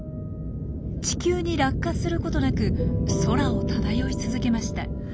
地球に落下することなく空を漂い続けました。